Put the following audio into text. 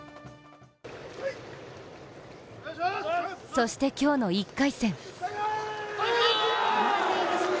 そして今日の１回戦。